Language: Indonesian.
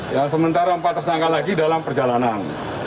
ya sementara empat tersangka lagi dalam perjalanan